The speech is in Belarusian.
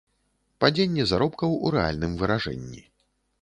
Падзенне заробкаў у рэальным выражэнні.